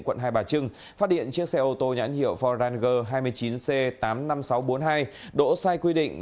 quận hai bà trưng phát điện chiếc xe ô tô nhãn hiệu forranger hai mươi chín c tám mươi năm nghìn sáu trăm bốn mươi hai đỗ sai quy định